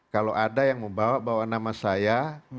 kalau ada yang membawa bawa nama saya